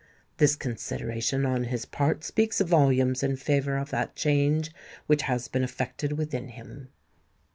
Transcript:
This consideration on his part speaks volumes in favour of that change which has been effected within him."